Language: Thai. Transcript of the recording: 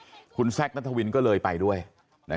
ชาวบ้านในพื้นที่บอกว่าปกติผู้ตายเขาก็อยู่กับสามีแล้วก็ลูกสองคนนะฮะ